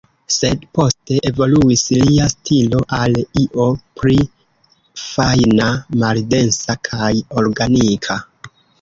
Sed poste, evoluis lia stilo, al io pli fajna, maldensa, kaj organika.